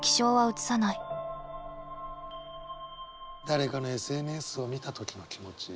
誰かのＳＮＳを見た時の気持ち。